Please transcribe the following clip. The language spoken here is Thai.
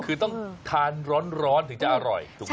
คือต้องทานร้อนถึงจะอร่อยถูกไหม